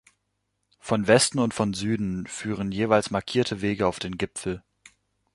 Von Westen und von Süden führen jeweils markierte Wege auf den Gipfel.